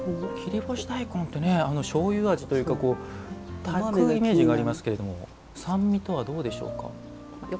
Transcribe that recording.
切り干し大根ってねしょうゆ味というか炊くイメージがありますけれども酸味等はどうでしょうか。